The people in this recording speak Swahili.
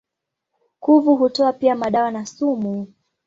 Kuvu hutoa pia madawa na sumu.